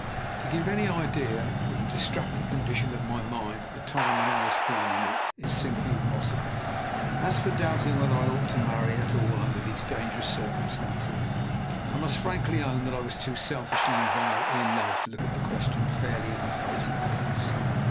To give any idea of the distracted condition of my mind at the time when I was forming it, is simply impossible. As for doubting whether I ought to marry at all under these dangerous circumstances, I must frankly own that I was too selfishly and violently in love to look the question fairly in the face at first.